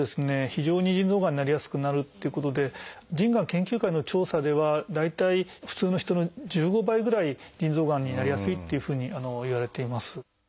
非常に腎臓がんになりやすくなるということで腎癌研究会の調査では大体普通の人の１５倍ぐらい腎臓がんになりやすいというふうにいわれています。